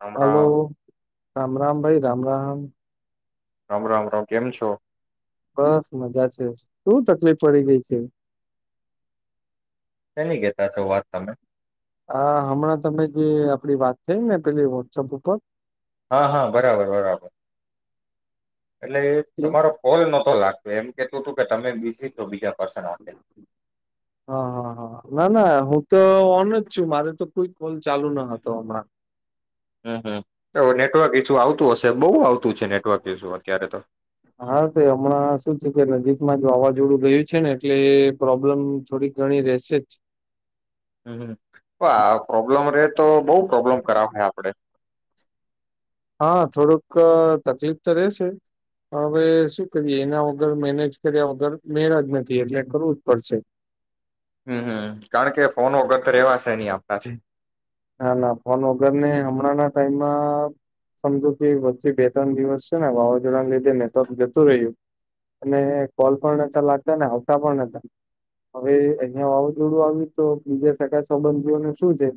Ram hello Ram Ram Ram ભાઈ! રામ રામ! રામ રામ રામ કેમ છો? બસ મજા છે. શું તકલીફ પડી ગઈ છે? શેની કેતા તા વાત તમે? હ હમણાં તમે જે, આપડી વાત થઈ ને પેલી વોટ્સઅપ ઉપર, હા હા બરાબર બરાબર! એટલે, એ તે તમારો કોલ નતો લાગતો. તો એમ કેતો હતું કે તમે બીજી તો બીજા પર્સન હાથે હા હા હા ના ના હું તો ઓન જ છું. મારે તો કોઈ કોલ ચાલુ ના હતો હમણાં. હમ હમ! તો નેટવર્ક એછું આવતું હશે તે બહુ આવતું છે નેટવર્ક ઇશું અત્યારે તો. હા તે હમણાં શું છે? કે નજીકમાં જ વાવાઝોડું ગયું છે ને એટલે એ પ્રોબ્લેમ થોડી ઘણી રહેશે હમ હ પ્રોબ્લેમ રે તો, બહુ પ્રોબ્લેમ કરાવાય આપડ હા થોડુંક તકલીફ તો રહેશે. હવે શું કરીએ? એના વગર મેનેજ કર્યા વગર મેળ જ નથી. એટલે કરવું જ પડશે. હમમ કારણ કે ફોનો વગર કરી હેવાત તે નઈ આપનાથી ના ના ફોન વગર ને, હમણાં ના ટાઈમ અઅ સમજો કે વચ્ચે બે ત્રણ દિવસ છે ને વાવાઝોડાને લીધે નેટવર્ક જતું રહ્યું, અને કોલ પણ નતા લાગતા ને આવતા પણ નતા. હવે, અહિયાં વાવાઝોડું આવ્યું તો બીજા સગા સંબંધીઓને શું છે?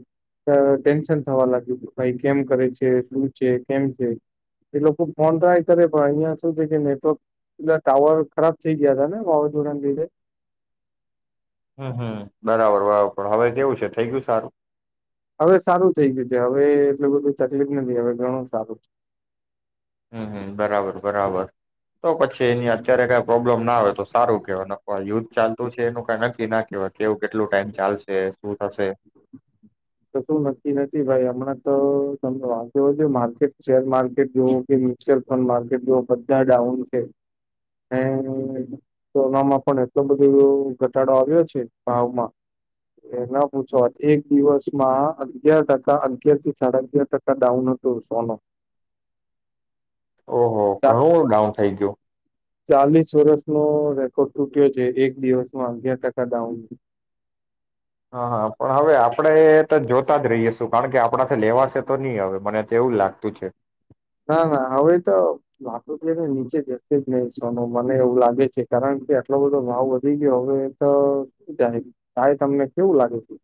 ટેન્શન થવા લાગ્યું. કે ભાઈ કેમ કરે છે? શું છે? કેમ છે? એ લોકો ફોન ટ્રાય કરે પણ અહિયાં શું છે કે, નેટવર્ક પેલા ટાવર ખરાબ થઈ ગયા હતા ને, વાવાઝોડાને લીધે હમ હમ બરાબર બરાબર! હવે કેવું છે થઈ ગયું સારું? હવે સારું થઈ ગયું છે. હવે એટલું બધું તકલીફ નથી. હવે ઘણું સારું હમ હમ બરાબર બરાબર તો પછી એની અત્યારે કઈ પ્રોબ્લેમ ના આવે તો સારુ કેવાય, નક યુદ્ધ ચાલતું છે એનું કંઈ નક્કી ના કેવાય, કેવું કેટલું ટાઈમ ચાલશે? શું થશે? તો શું નક્કી નથી ભાઈ, હમણાં તો તમને વાંધ [inaudible] છે માર્કેટ શેર માર્કેટ જોવું કે મ્યુચ્યુઅલ ફંડ માર્કેટ જોવ બધા ડાઉન છે. એમ સોનામાં પણ એટલો બધો ઘટાડો આવ્યો છે, ભાવમાં એના પૂછો, એક દિવસ મા અગયાર ટકા અગિયાર થી સાડા અગિયાર ટકા ડાઉન હતુ સોનુ. ઓહો! ઘણું ડાઉન થઈ ગયું. ચાલીસ વર્ષનો રેકોર્ડ તૂટ્યો છે. એક દિવસમાં અગિયાર ટકા ડાઉન. હા હા પણ હવે આપડણે તો જોતા જ રહીયશું કારણ કે આપણા લેવાશે તો નહી હવે મને તો એવું લાગતું છે ના ના હવેવે તો ને નીચે જશે જ નહી સોનો મને એવું લાગે છે કારણ કે આટલો બધો ભાવ વધી ગયો હવે તો શ જાય કહે તમને કેવું લાગે છે.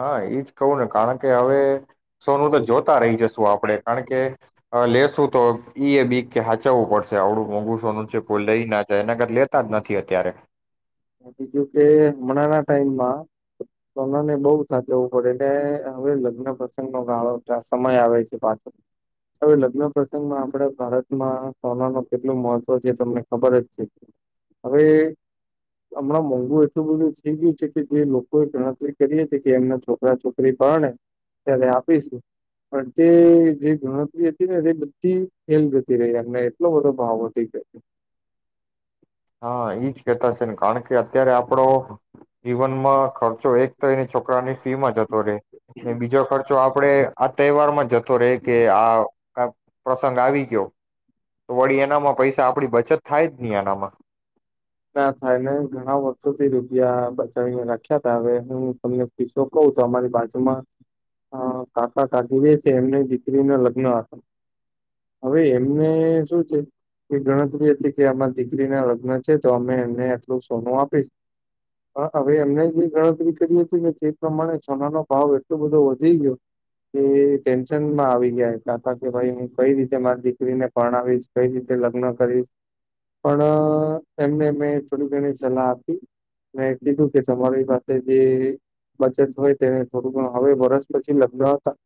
હા એઈજ કવું ને કારણ કે હવે સોનું તો જોત રહી જશું આપણે કારણ કે લેશું તો ઈ એ બી કે હાચવવું પડશે આવડું મોઘુસોનું છે કોઈ લઈ ના જાય એના કરા લેતા જ નથી અત્યારે બીજું કે હમણાં ટાઈમમાં કોનાને બહુ સાચવવું પડે એટલે હવે લગ્ન પ્રસંગ નો ગાળો સમય આવે છે પાછો હવે લગ્ન પ્રસંગમાં આપણે ભારતમાં કોના ન કેટલું મહત્વ છે તમને ખબર જ છે હવે અમણાં મોંઘુ એટલું બધું થઈ ગયું છે. કે જે લોકોએ ગણતરી કરી હતી કે એમના છોકરા છોકરી ભણે. ત્યારે આપીશું પણ તે જે ગણતરી હતી ને તે બધી ફેલ જતી રહી એમને એટલો બધો ભાવ વધી હા ઈજ કેતા છે. ને કારણ કે અત્યારે આપડો જીવનમાં ખર્ચો એક તો એ છોકરાની ફીમાં જતો રેય ને બીજો ખર્ચો આડે તહેવારમાં જતો તો રે કે આ પ્રસંગ આવી ગયો. તો વળી એનામાં પૈસા આપડી બચત થાય જ ની એનામાં ના થાય ને ઘણા વર્ષોથી રૂપિયા બચાવીને રાખ્યા તા હવે હું તમને પિસો કહ તો અમારી બાજુમાં કાકા કાકી રે છે એમને દીકરીના લગ્ન હતા. હવે એમને શું છે. એ ગણતરી હતી કે અમારી દીકરી ના લગ્ન છે તો અમે એમને આટલું સોનું આપીશ પણ અવે એમને જે ગણતરી કરી હતી ને તે પ્રમાણે સોનાનો ભાવ એટલો બધો વધી ગયો. કે ટેન્શનમાં આવી ગયા હતા કે ભાઈ હું કઈ રીતે મારી દીકરીને પરણાવીશ કઈ રીતે લગ્ન કરીશ પણ એમને મેં થોડી ઘણી સલાહ આપી. મે કીધું કે તમારી પાસે જે બચત હોય તેને થોડું ઘણ હવે વરષ પછી લગતા હતા.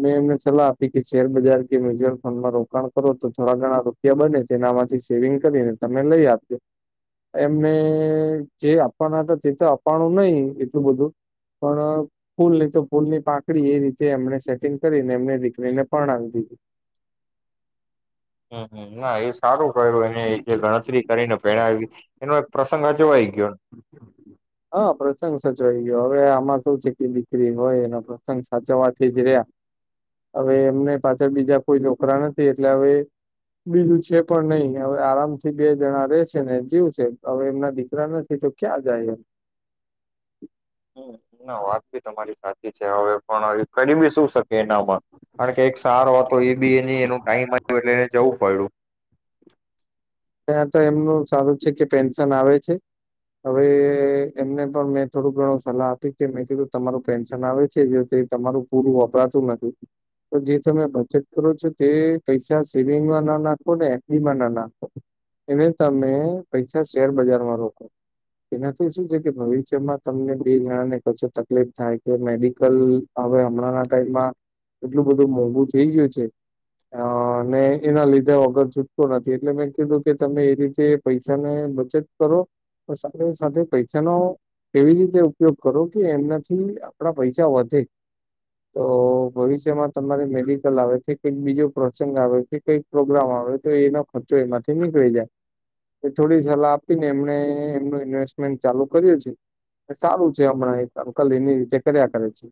મેં એમને સલાહ આપી કે શેર બજાર કે મ્યુઝિયમ ફંડમાં રોકાણ કરો તો થોડા ઘણા રૂપિયા બને છે. તેના માંથી સેવિંગ કરીને તમે લઈ આપ્યો. એમને જે આપવાના હતા તે તો આપવાનું નહી એટલું બધું. પણ ફૂલ નહી તો ફૂલની પાંખરી એ રીતે એમને સેટિંગ કરીને એમને દીકરીને પરણાવી દીધી. હ ના એ સારું જે ગણતરી કરીને પરણાવી એનું પ્રસંગ હા જોવય હા પ્રત્સંગ સચવાઈ ગયો હવે આમાં શ છે કે દીકરી હોય એનો પ્રસંગ સાચવવાથી જ રહ્યા. અવે એમને પાછળ બીજા કોઈ છોકરા નથી. એટલે અવે બીજું છે પણ નહી અવે આરામથી બે જણા રે છે ને જીવ છે. અવે એમના દીકરા નથી. એ તો ક્યા જાયે હમ ના વાત બી તમારી સાચી છે. હવે પણ કરી બી શું શક એનામાં કારણ કે એક સારો હતો એ બી એની એનું ટાઈમ આવ્યો એટલે એને જવું પડ્યું. ત્યાં તો એમનું સારું છે કે પેન્શન આવે છે. હવે એમને પણ મેં થોડુંક ઘણો સલાહ આપી કે મેં કીધું તમારું પેન્શન આવે છે જે તે તમારું પૂરું વપરાતું નથી. તો જે તમે બચત કરો છો તે પૈસા સેવિંગમાં ના નાખો ને એફબીમાં ના ના એને તમે પૈસા શેર બજારમાં રોકો. એનાથી શું છે કે ભવિષ્યમાં તમને બે જણાને કંસુ તકલીફ થાય કે મેડિકલ અવે અમણાં ટાઈમમાં એટલું બધું મોઘું થઈ ગયું છે. ને એના લીધે વગર છૂટતો નથી. એટલે મેં જો કે તમે એ રીતે પૈસાને બચત કરો. સાથે સાથે પૈસાનો એવી રીતે ઉપયોગ કરો કે એનાથી આપણા પૈસા વધે. તો ભવિષ્યમાં તમારે મેડિકલ આવે કે કાંઇક બીજો પ્રોસંગ આવે કે કઈક પ્રોગ્રામ આવે. તો એનો ખર્ચો એમાંથી નીકળી જાય. એ થોડી સલાહ આપીને એમણે એમનું ઇન્વેસ્ટમેન્ટ ચાલુ કર્યું છે. સારું છે અમણાં એક અંકલ એની રીતે કર્યા કરે છે.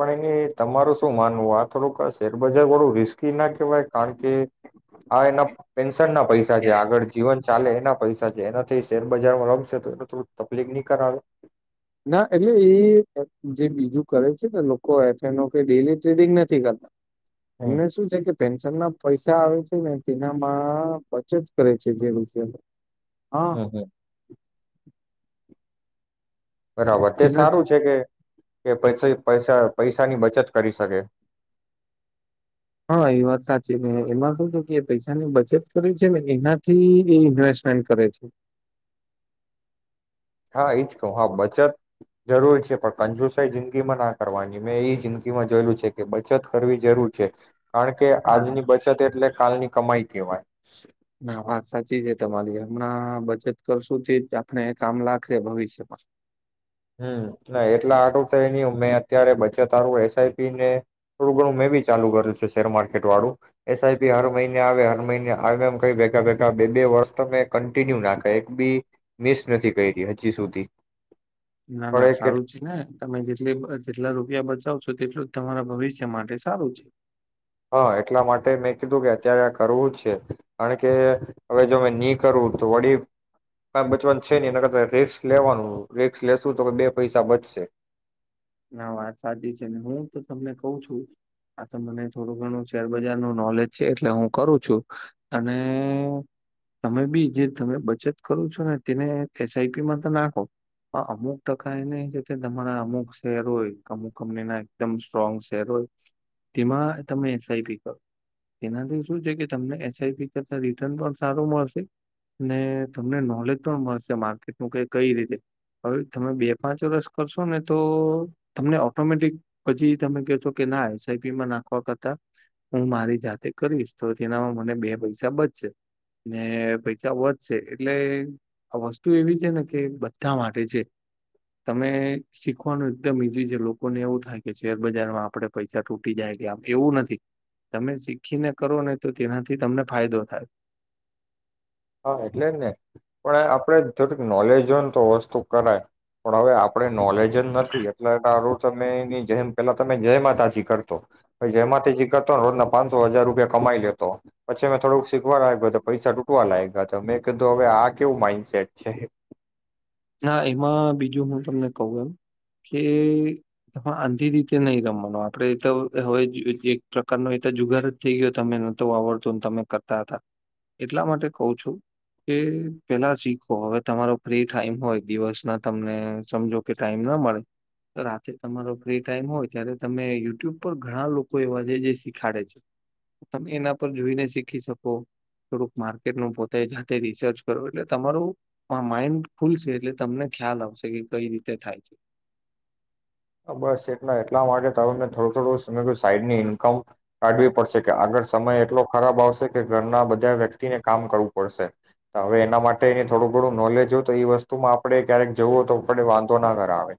પણ એને તમારું શું માનવું આ થોડુંક શેરબજાર વાળું રિસ્કી નાખ કારણ કે આ એના પેન્શન ના પૈસા છે. આગળ જીવન ચાલે એના પૈસા છે. એનાથી શેરબજારમાં રમશે તો એને થોડું તકલીફ ની કરા આવે? ના એટલે એ જે બીજું કરે છે ને લોકો એફનો કે ડેલી ટ્રેડિંગ નથી કરતા. હમ એમને શું છે કે પેન્શન ના પૈસા આવે છે. તેનામાં બચત કરે છે જે રીતે હા [unintelligible] બરાબર તે સારું તેનાથી છે કે કે પસે પૈસા પૈસાની બચત કરી શકે. હહ એ વાત સાચી ગણાય. એમાં શું થયું કે એ પૈસાની બચત કરે છે ને એનાથી એ ઇન્વેસ્ટમેન્ટ કરે છે. હા ઈ જ કહું. હહ બચત જરૂર છે. પણ કંજુસાઈ જિંદગીમાં ના કરવાની મેં ઈ જિંદગીમાં જોયેલું છે કે બચત કરવી જરૂર છે. કારણ કે હા આજની બચત એટલે કાલની કમાઈ કેવાય. ના વાત સાચી છે તમારી. હમણાં બચત કરશું તે જ આપને કામ લાગશે ભવિષ્યમાં. હમ હા એટલા હાટુ થઈ ને મેં અત્યારે બચત હારું એસઆઈપી ને થોડું ઘણું મેં બી ચાલુ કર્યું છે શેર માર્કેટ વાળું. એસઆઈપી હર મહિને આવે હર મહિને આવે એમ કઈ ભેગા ભેગા બે બે વર્ષ તો મે કન્ટિન્યુ નાખ્યા એક બી મિસ નથી કરયી હજી સુધી. ના પણ ના એ કેટ સારું છે ને તમે જેટલી જેટલા રૂપિયા બચાવ તો તેટલું જ તમારા ભવિષ્ય માટે સારું છે. હા એટલા માટે મેં કીધું કે અત્યારે આ કરવું જ છે. કારણ કે હવે જો મે નહી કરવું તો વડીલ ક બચવાન છે નહી એના કરતા રિસ્ક લેવાનું રિસ્ક લેશું તો કે બે પૈસા બચશે. ના વાત સાચી છે હું તો તમને કહું છું આ તો મને થોડું ઘણું શેરબજાર નું નોલેજ છે એટલે હું કરું છું અને તમે બી જે તમે બચત કરો છો ને તેને એસ આઈ પી માં તો નાખો પણ અહ અમુક ટકા એને જે તે તમારા અમુક શેર હોય કમુ કંપનીના એકદમ સ્ટ્રોંગ શેર હોય તેમાં તમે એસ આઈ પી કરો. તેનાથી શું છે કે તમને એસ આઈ પી કરતા રિટર્ન પણ સારું મળશે અને તમને નોલેજ પણ મળશે માર્કેટનું કે કઈ રીતે હવે તમે બે પાંચ વર્ષ કરશો ને તો તો તમને ઓટોમેટિક પછી તમે ક છો કે ના એસઆઈપી માં નાખવા કરતા હું મારી જાતે કરીશ તો તેનામાં મને બે પૈસા બચશે ને પૈસા વધશે એટલે વસ્તુ એવી છે ને કે બધા માટે છે. તમે શીખવાનું ત્યાં બીજી જે લોકોને એવું થાય કે શેરબજારમાં આપણે પૈસા તૂટી જાય કે આમ એવું નથી. તમે શીખીને કરો ને તો તેનાથી તમને ફાયદો થાય. હા એટલે જ ને, પણ આપડે થોડીક નોલેજ હોય ને તો વસ્તુ કરાએ. પણ આપડે નોલેજ જે નથી એટલે તારું તમે નહીં જેમ પેલા તમે જય માતાજી કરતો પછ જય માતાજી કરતો ને રોજના પાંચસો હજાર રૂપિયા કમાઈ લેતો પછી અમે થોડુંક શીખવા લાગ્યું તો પૈસા તૂટવા લાય આ તમે કીધું હવે આ કેવું માઈન્ડસેટ છે. ના એમાં બી જો હું તમને કહું એમ કે એમાં આંધી રીતે નહીં રમવાનો આપડે તો હવે જે એક પ્રકારનો એ જુગાર જ થઈ ગયો તમે નતો આવડતો તમે કરતા હતા. એટલા માટે કહું છું કે પેલા શીખો હવે તમારો પ્લેટ થાઈમ હોય દિવસ ના તમને સમજો કે ટાઈમ ના મળે તો રાતે તમારો ફ્રી ટાઈમ હોય ત્યારે તમે યુટ્યુબ પર ઘણા લોકો એવા જે જે શીખાડે છે તમે એના પર જોઈને શીખી શકો થોડુંક માર્કેટનું પોતે જાતે રિસર્ચ કરો એટલે તમારું પણ માઈન્ડ ખૂલશે એટલે તમને ખ્યાલ આવશે કે કઈ રીતે થાય છે. અહ બસ એટલા એટલા માટે તો હ મેં થોડું થોડું સમ સાઈડની ઈન્કમ કાઢવી પડશે કે આગળ સમય એટલો ખરાબ આવશે કે ઘરના બધા વ્યક્તિને કામ કરવું પડશે. તો હવે એના માટે એની થોડું ઘણું નોલેજ હોય તો એ વસ્તુમાં આપણે ક્યારેક જવું હો તો આપડ વાંધો ના કર આવે.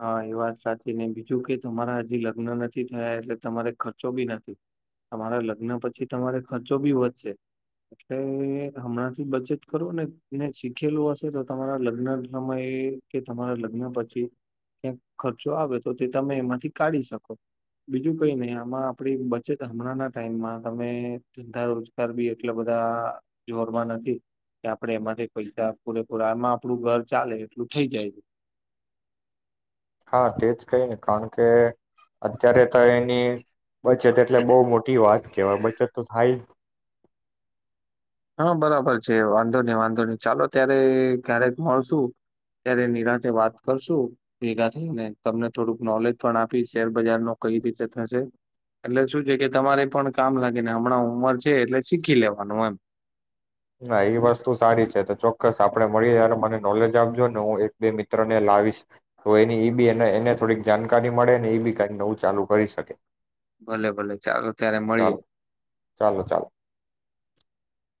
હા એ વાત સાચી ને બીજું કે તમારા હજી લગ્ન નથી થયા એટલે તમારે ખર્ચો બી નથી તમારા લગ્ન પછી તમારે ખર્ચો બી વધશે એટલે હમણાં થી બચત કરો ને એને શીખેલું હશે તો તમારા લગ્ન સમયે કે તમારા લગ્ન પછી ક્યાંક ખર્ચો આવે તો તે તમે એમાંથી કાઢી શકો. બીજું કઈ નહી આમાં આપણી બચત હમણાંના ટાઈમમાં તમે ધંધા રોજગાર બી એટલા બધા જોરમાં નથી કે આપણે એમાંથી પૈસા પૂરેપૂરા આમાં આપણું ઘર ચાલે એટલું થઈ જાય હા તેજ કઈ ને કારણ કે અત્યારે તો એની બચત એટલે બહુ મોટી વાત કહેવાય બચત તો થાય જ હા બરાબર છે વાંધો નહી વાંધો નહી ચાલો ત્યારે ક્યારેક મળશું ત્યારે નિરાથે વાત કરશું ભેગા થઈને તમને થોડુંક નોલેજ પણ આપી શેર બજાર નો કઈ રીતે થશે એટલે શું છે કે તમારે પણ કામ લાગેને હમણાં ઉંમર છે એટલે શીખી લેવાનું એમ. ના એ વસ્તુ સારી છે તો ચોક્કસ આપણે મળીએ ત્યારે મને નોલેજ આપજો ને હું એક બે મિત્રને લાવીશ તો એની એ બી એને થોડીક જાણકારી મળે ને એ બી ક નવું ચાલુ કરી શકે. ભલે ભલે ચાલો ત્યારે મળીએ. ચાલો ચાલો, ચાલો.